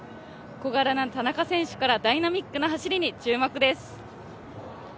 小柄な田中選手から、ダイナミックな走りに注目です。